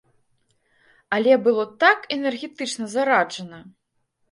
Але было так энергетычна зараджана!